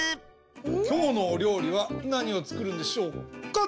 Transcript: きょうのおりょうりはなにをつくるんでしょうか？